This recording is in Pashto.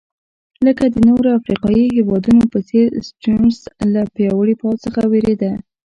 لکه د نورو افریقایي هېوادونو په څېر سټیونز له پیاوړي پوځ څخه وېرېده.